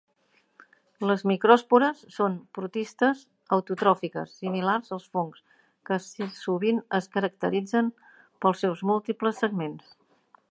Les micròspores són protistes autotròfiques similars als fongs que sovint es caracteritzen pels seus múltiples segments.